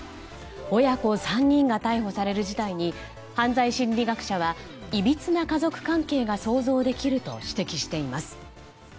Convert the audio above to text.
親子３人が逮捕される事態に犯罪心理学者はいびつな家族関係が想像できると指摘しています。